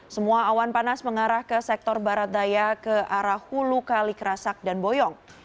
semua awan panas mengarah ke sektor barat daya ke arah hulu kali kerasak dan boyong